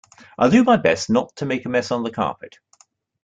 I'll do my best not to make a mess on the carpet.